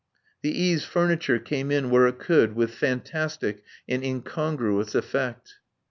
The E.s' furniture came in where it could with fantastic and incongruous effect.